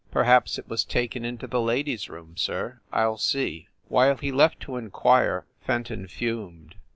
"Perhaps it was taken into the ladies room, sir; I ll see!" While he left to inquire, Fenton fumed.